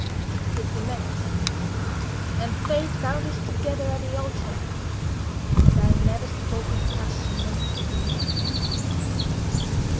Yet we met; and fate bound us together at the altar; and I never spoke of passion nor thought of love.